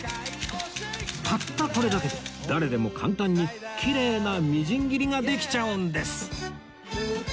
たったこれだけで誰でも簡単にきれいなみじん切りができちゃうんです！